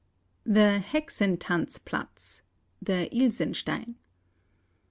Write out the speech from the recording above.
THE HEXENTANZPLATZ.— THE ILSENSTEIN.